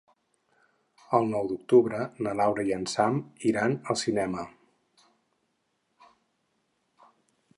El nou d'octubre na Laura i en Sam iran al cinema.